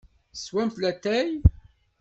Teswam latay?